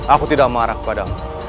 aku tidak marah padamu